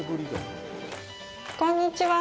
こんにちは。